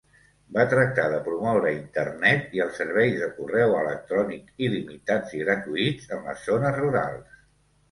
Va tractar de promoure Internet i els serveis de correu electrònic il·limitats i gratuïts en les zones rurals.